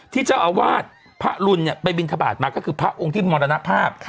ที่เจ้าอาวาสพระรุนไปบินทบาทมาก็คือพระองค์ที่มรณภาพ